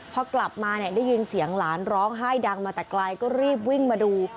พอกลับมาเนี่ยได้ยินเสียงหลานร้องไห้ดังมาแต่ไกลก็รีบวิ่งมาดู